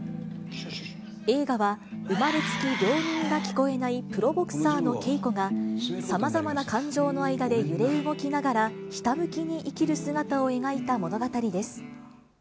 映画は生まれつき両耳が聞こえないプロボクサーのケイコが、さまざまな感情の間で揺れ動きながら、ひたむきに生きる姿を描いた物語です。